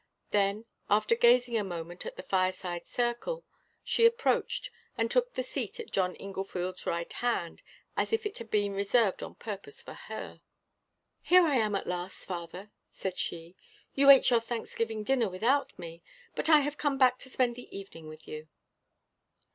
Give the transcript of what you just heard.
Then, after gazing a moment at the fireside circle, she approached, and took the seat at John Inglefield's right hand, as if it had been reserved on purpose for her. "Here I am, at last, father," said she. "You ate your Thanksgiving dinner without me, but I have come back to spend the evening with you."